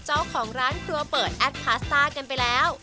เจ้าของร้านครัวเปิดแอดพาสต้ากันไปแล้ว